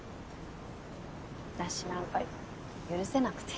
私なんか許せなくて。